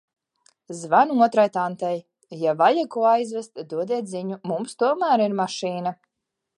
Zvanu otrai tantei: "Ja vajag ko aizvest, dodiet ziņu, mums tomēr ir mašīna".